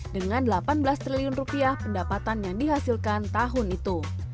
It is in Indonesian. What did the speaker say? dengan delapan belas triliun rupiah pendapatan yang dihasilkan tahun itu